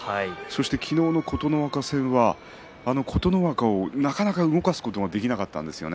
昨日の琴ノ若戦は琴ノ若をなかなか動かすことができなかったんですよね。